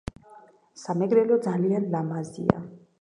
სამეგროლო ძლიან ლამაზია